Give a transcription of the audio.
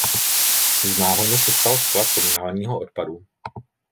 Z náhonu se stal sklad komunálního odpadu.